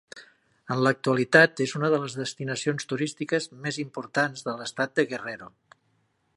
En l'actualitat és una de les destinacions turístiques més importants de l'estat de Guerrero.